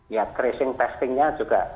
ya tracing testingnya juga